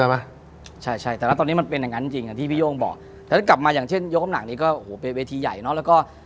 ป่ะใช่ใช่แต่แล้วตอนนี้มันเป็นอย่างนั้นจริงอย่างที่พี่โย่งบอกถ้ากลับมาอย่างเช่นยกน้ำหนักนี้ก็โอ้โหเป็นเวทีใหญ่เนอะแล้วก็